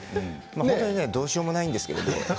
本当にどうしようもないですけど。